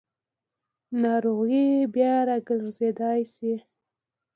ناروغي بیا راګرځېدای شي.